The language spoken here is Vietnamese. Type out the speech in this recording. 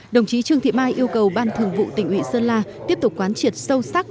đồng chí trương thị mai yêu cầu ban thường vụ tỉnh ủy sơn la tiếp tục quán triệt sâu sắc